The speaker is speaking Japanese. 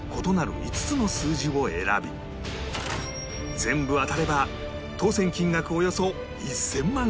全部当たれば当せん金額およそ１０００万円